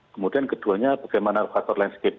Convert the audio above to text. kemudian keduanya bagaimana faktor landscape